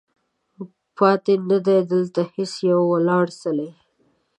پاتې نه دی، دلته هیڅ یو ولاړ څلی